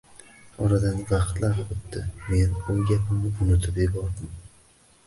Oradan vaqtlar o`tdi, men u gapimni unutib yubordim